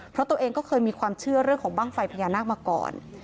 เพราะตัวเองก็เคยมีความเชื่อเรื่องของบ้างไฟพญานาคมาก่อน